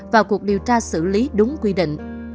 vào cuộc điều tra xử lý đúng quy định